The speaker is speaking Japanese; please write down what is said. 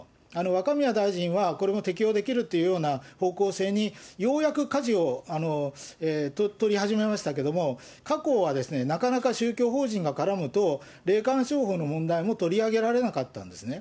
わかみや大臣は、これも適用できるというような方向性にようやくかじを取り始めましたけども、過去は、なかなか宗教法人が絡むと、霊感商法の問題も取り上げられなかったんですね。